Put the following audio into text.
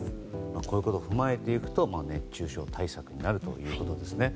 こういうことを踏まえていくと熱中症対策になるということですね。